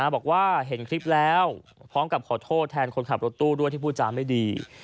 บอกว่าเห็นคลิปแล้วพร้อมกับขอโทษแทนคนขับรถตู้ด้วยที่พูดจาไม่ดี